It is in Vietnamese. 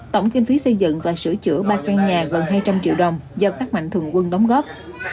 tổng kinh phí xây dựng và sửa chữa ba căn nhà gần hai trăm linh triệu đồng do các mạnh thường quân đóng góp